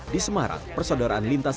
di semarang persaudaraan lintas